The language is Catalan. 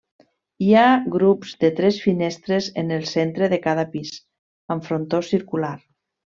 Hi ha grups de tres finestres en el centre de cada pis amb frontó circular.